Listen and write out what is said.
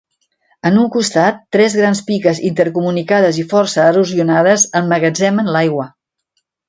En un costat, tres grans piques intercomunicades i força erosionades emmagatzemen l'aigua.